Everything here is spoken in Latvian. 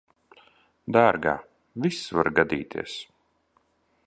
Dārgā, viss var gadīties.